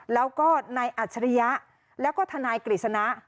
แล้วก็นายอัจฉริยะแล้วก็ทนายกฤษณะ